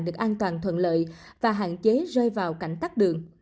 được an toàn thuận lợi và hạn chế rơi vào cảnh tắt đường